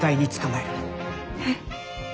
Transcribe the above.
えっ？